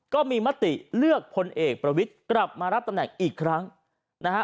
ก็มีมติเลือกพลเอกประวิทย์กลับมารับตำแหน่งอีกครั้งนะฮะ